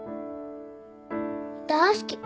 大好き。